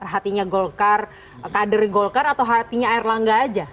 hatinya golkar kader golkar atau hatinya erlangga aja